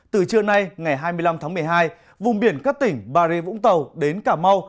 từ trưa nay ngày hai mươi năm tháng một mươi hai vùng biển các tỉnh bà rịa vũng tàu đến cà mau